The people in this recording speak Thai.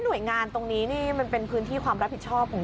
หน่วยงานตรงนี้เป็นพื้นที่ความรับผิดชอบ